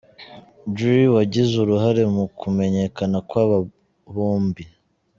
Dre wagize uruhare mu kumenyekana kw’aba bombi.